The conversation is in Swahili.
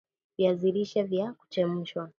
Viazi lishe vya kuchemshwa